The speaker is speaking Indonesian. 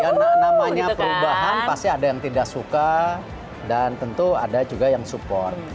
ya namanya perubahan pasti ada yang tidak suka dan tentu ada juga yang support